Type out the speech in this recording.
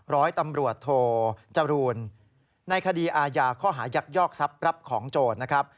ร้อยตำรวจโทจรูลในคดีอาญาข้อหายักยอกทรัพย์รับของโจรนะครับ